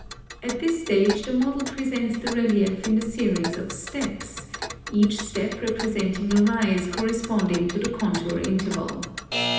At this stage the model presents the relief in a series of steps, each step representing a rise corresponding to the contour interval.